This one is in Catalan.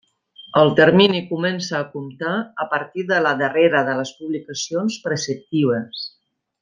El termini comença a comptar a partir de la darrera de les publicacions preceptives.